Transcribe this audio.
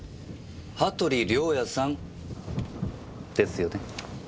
羽鳥亮矢さんですよね？